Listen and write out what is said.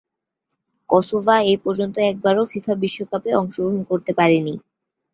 Kosovo এপর্যন্ত একবারও FIFA বিশ্বকাপে অংশগ্রহণ করতে পারেনি।